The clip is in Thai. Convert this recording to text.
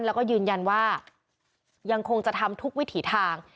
แล้วก็ยืนยันว่ายังคงจะทำทุกวิถีทาง